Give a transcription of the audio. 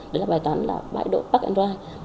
đấy là bài toán là bãi độ park and ride